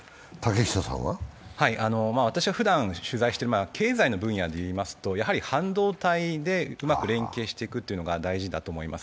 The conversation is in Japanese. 私はふだん、取材している経済の分野で言いますと、半導体でうまく連携していくのが大事だと思います。